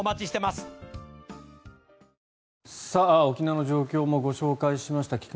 沖縄の状況もご紹介しました。